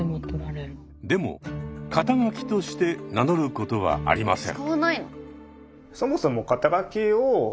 でも肩書として名乗ることはありません。